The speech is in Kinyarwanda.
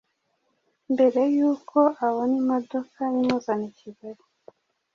mbere y’uko abona imodoka imuzana i Kigali